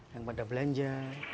yang pada belanja